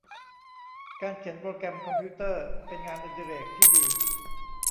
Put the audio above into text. การเขียนโปรแกรมคอมพิวเตอร์ เป็นงานอดิเรกที่ดี